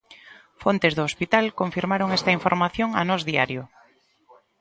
Fontes do hospital, confirmaron esta información a Nós Diario.